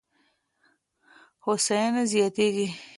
هوساينه زياتېږي.